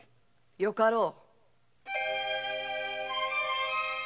よかろう。